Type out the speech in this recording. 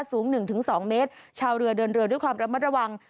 สูง๑๒เมตรชาวเรือเดินเรือด้วยความระมัดระวัง